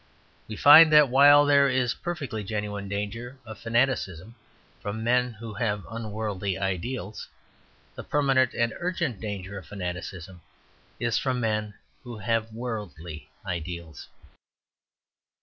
We find that while there is a perfectly genuine danger of fanaticism from the men who have unworldly ideals, the permanent and urgent danger of fanaticism is from the men who have worldly ideals.